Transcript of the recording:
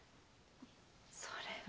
それは。